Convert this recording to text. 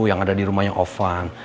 yang ada di rumahnya offan